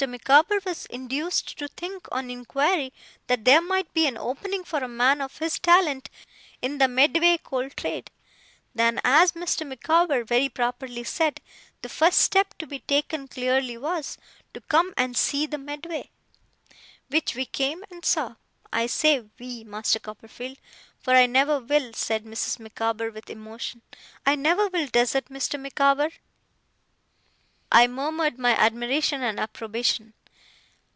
Micawber was induced to think, on inquiry, that there might be an opening for a man of his talent in the Medway Coal Trade. Then, as Mr. Micawber very properly said, the first step to be taken clearly was, to come and see the Medway. Which we came and saw. I say "we", Master Copperfield; for I never will,' said Mrs. Micawber with emotion, 'I never will desert Mr. Micawber.' I murmured my admiration and approbation.